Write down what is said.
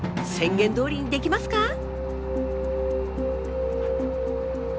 宣言どおりにできますか？